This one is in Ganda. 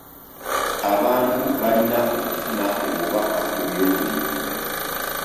Abantu balina okufuna obubaka ku by'obulimi.